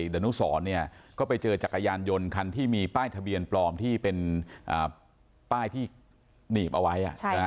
ดนุสรก็ไปเจอจักรยานยนต์คันที่มีป้ายทะเบียนปลอมที่เป็นป้ายที่หนีบเอาไว้